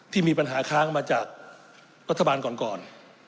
ที่มีปัญหาค้างมาจากรัฐบาลก่อน